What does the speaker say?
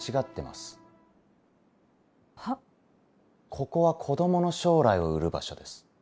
ここは子供の将来を売る場所です。